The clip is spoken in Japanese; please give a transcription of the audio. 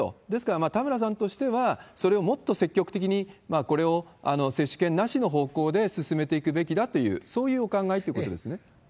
ですから、田村さんとしては、それをもっと積極的に、これを接種券なしの方向で進めていくべきだという、そういうお考えということですね。